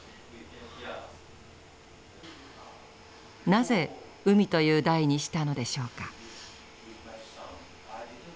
なぜ「海」という題にしたのでしょうか。